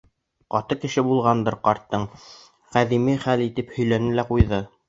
Ҡаты кеше булғандыр ҡартың, ҡәҙимге хәл итеп һөйләне лә ҡуйҙы.